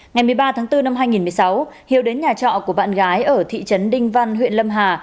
ngày một mươi ba tháng bốn năm hai nghìn một mươi sáu hiếu đến nhà trọ của bạn gái ở thị trấn đinh văn huyện lâm hà